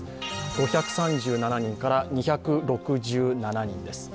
５３７人から２６７人です。